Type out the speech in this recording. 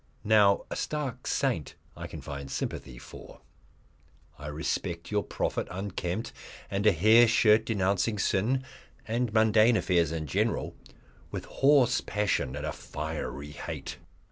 Now a stark saint I can find sympathy for. I respect your prophet unkempt and in a hair shirt denouncing Sin and mundane affairs in general with hoarse passion and a fiery hate.